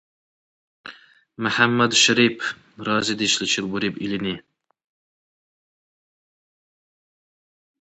— МяхӀяммадшарип, — разидешличил буриб илини.